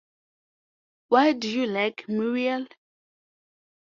Why do you like Muriel?